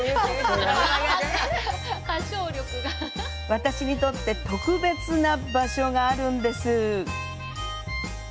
私にとって特別な場所があるんです。